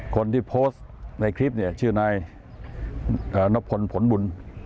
คนที่โพสต์ในคลิปเนี่ยชื่อนายนพลผลบุญ